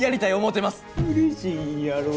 うれしいんやろ。